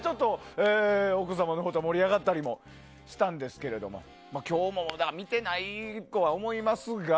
奥様と盛り上がったりもしたんですけれども今日も見てないとは思いますが。